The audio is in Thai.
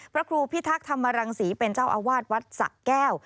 พระครูพิทักษ์ธรรมรังศรีเป็นเจ้าอาวาสวัดสะแก้ว